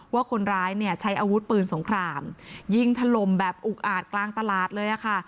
ว่าคนร้ายเนี่ยใช้อาวุธปืนสงครามยิงถล่มแบบอุกอาจกลางตลาดเลยค่ะ